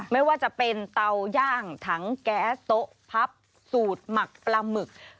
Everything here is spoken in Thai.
ไม่ว่าจะเป็นเตาย่างถังแก๊สโต๊ะพับสูตรหมักปลาหมึก